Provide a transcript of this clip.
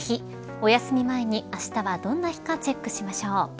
おやすみ前にあしたはどんな日かチェックしましょう。